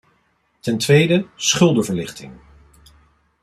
Ten tweede schuldenverlichting.